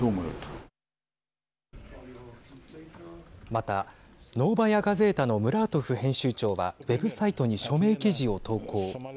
また、ノーバヤ・ガゼータのムラートフ編集長はウェブサイトに署名記事を投稿。